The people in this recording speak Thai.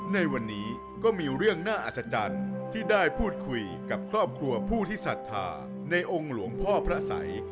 ในวันนี้ก็มีเรื่องน่าอัศจรรย์ที่ได้พูดคุยกับครอบครัวผู้ที่ศรัทธาในองค์หลวงพ่อพระสัย